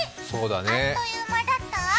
あっという間だった？